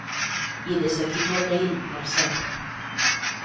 I des d'aquí t'ho agraïm, Mercè.